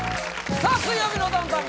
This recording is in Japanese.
さあ「水曜日のダウンタウン」